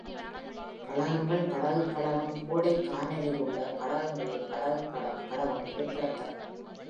கழகங்கள் படகுக் கழகம் கோடைக்கானலிலுள்ள கழகங்களில் படகுக் கழகம் குறிப்பிடத் தக்கது.